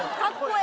え。